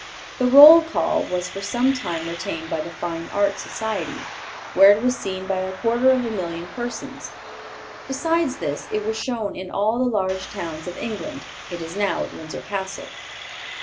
The "Roll Call" was for some time retained by the Fine Art Society, where it was seen by a quarter of a million persons. Besides this, it was shown in all the large towns of England. It is now at Windsor Castle.